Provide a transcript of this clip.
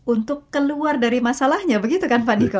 untuk keluar dari masalahnya begitu kan pak niko